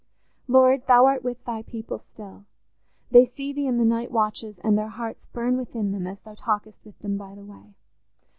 "Lord, Thou art with Thy people still: they see Thee in the night watches, and their hearts burn within them as Thou talkest with them by the way.